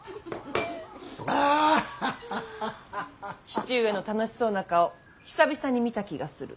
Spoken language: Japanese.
父上の楽しそうな顔久々に見た気がする。